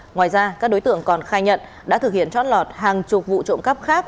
ngoài ra các đối tượng còn khai nhận đã thực hiện trót lọt hàng chục vụ trộm cắp khác